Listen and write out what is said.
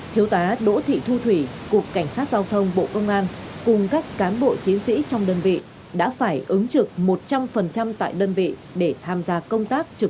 thiếu tá đỗ thị thu thủy cục cảnh sát giao thông bộ công an cùng các cán bộ chiến sĩ trong đơn vị đã phải ứng trực một trăm linh tại đơn vị để tham gia công tác trực